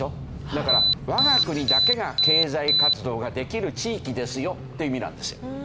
だから我が国だけが経済活動ができる地域ですよって意味なんですよ。